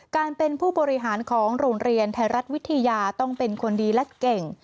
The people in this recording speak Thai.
การเป็นผู้บริหารของโรงเรียนไทยรัฐวิทยาต้องเป็นคนดีและเก่ง